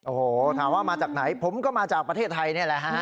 โอ้โหถามว่ามาจากไหนผมก็มาจากประเทศไทยนี่แหละฮะ